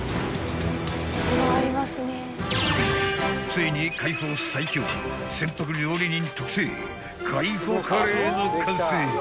［ついに海保最強船舶料理人特製海保カレーの完成］